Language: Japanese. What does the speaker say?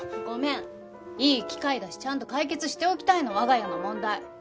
ごめんいい機会だしちゃんと解決しておきたいの我が家の問題。